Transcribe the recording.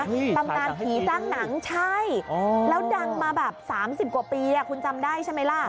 ตำการขี่ตั้งหนังใช่แล้วดังมาแบบ๓๐กว่าปีคุณจำได้ใช่ไหมล่ะ